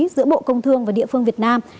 giữa bộ công thương và địa phương việt nam